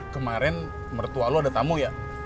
kemarin mertua lo ada tamu ya